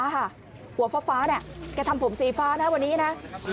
หัวฟ้าแกทำผมสีฟ้านะวันนี้นะ